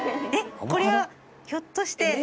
えっこれはひょっとして。